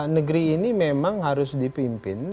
negeri ini memang harus dipimpin